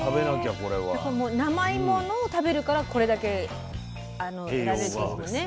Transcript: この生芋のを食べるからこれだけ得られるんですよね？